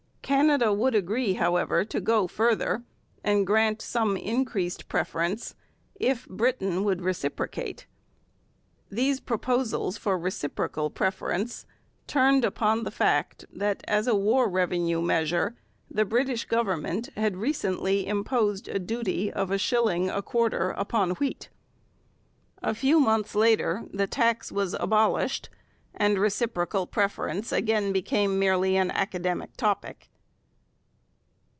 Canada would agree, however, to go further, and grant some increased preference if Britain would reciprocate. These proposals for reciprocal preference turned upon the fact that, as a war revenue measure, the British Government had recently imposed a duty of a shilling a quarter upon wheat. A few months later the tax was abolished, and reciprocal preference again became merely an academic topic.